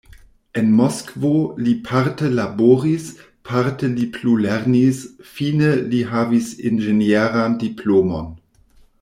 En Moskvo li parte laboris, parte li plulernis, fine li havis inĝenieran diplomon.